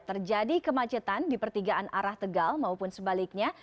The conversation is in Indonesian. terjadi kemacetan di pertigaan arah tegal maupun sebaliknya